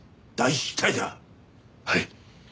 はい。